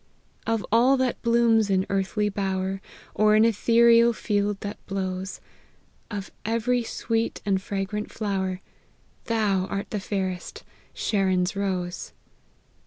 , Of all that blooms in earthly bower, Or in ethereal field that blows, Of every sweet and fragrant flower, Thou art the fairest, Sharon's rose